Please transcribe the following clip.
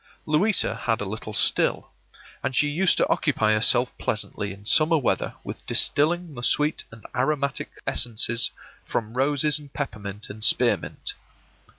Louisa had a little still, and she used to occupy herself pleasantly in summer weather with distilling the sweet and aromatic essences from roses and peppermint and spearmint.